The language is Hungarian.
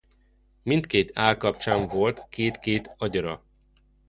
Mindkét állkapcsán volt két-két agyara.